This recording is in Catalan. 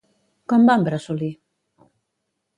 Com va en Bressolí?